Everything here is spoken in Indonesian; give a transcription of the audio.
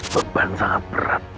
beban sangat berat